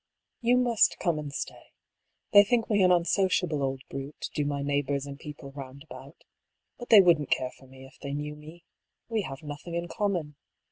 ^^ You must come and stay. They think me an unsociable old brute, do my neighbors and people round about. But they wouldn't care for me if they knew me. We have nothing in common.